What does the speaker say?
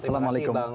terima kasih bang